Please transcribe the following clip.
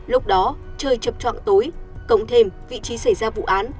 lúc đó trời chập trọn tối cộng thêm vị trí xảy ra vụ án